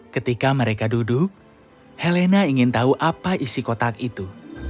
ketika mereka duduk helena ingin tahu apa isi kotak itu